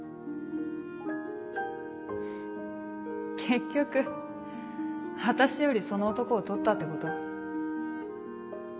フッ結局私よりその男を取ったってこと？